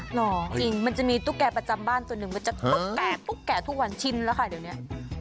เหรอจริงมันจะมีตุ๊กแก่ประจำบ้านส่วนหนึ่งมันจะตุ๊กแก่ตุ๊กแก่ทุกวันชิ้นแล้วค่ะเดี๋ยวนี้